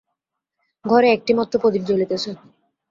ঘরে একটিমাত্র প্রদীপ জ্বলিতেছে।